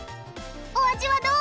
お味はどう？